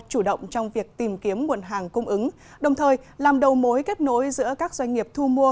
chủ động trong việc tìm kiếm nguồn hàng cung ứng đồng thời làm đầu mối kết nối giữa các doanh nghiệp thu mua